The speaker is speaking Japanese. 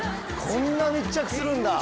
こんな密着するんだ。